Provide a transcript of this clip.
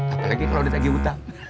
apalagi kalau ditagih utang